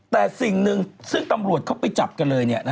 แต่สิ่งหนึ่งซึ่งตำรวจเขาไปจับกันเลย